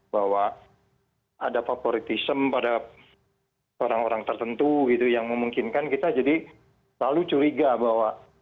bahwa ada favoritism pada orang orang tertentu gitu yang memungkinkan kita jadi selalu curiga bahwa